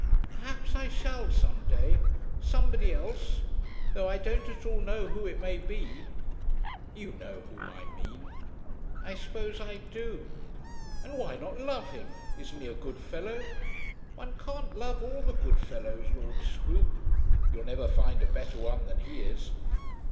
"Perhaps I shall, some day, somebody else; though I don't at all know who it may be." "You know whom I mean." "I suppose I do." "And why not love him? Isn't he a good fellow?" "One can't love all the good fellows, Lord Scroope." "You'll never find a better one than he is."